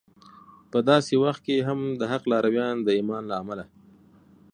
په داسې وخت کې هم د حق لارویان د ایمان له امله